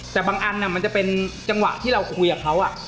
แต่บางอันมันจะเป็นจังหวะที่เราคุยกับเขา